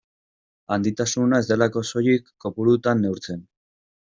Handitasuna ez delako soilik kopurutan neurtzen.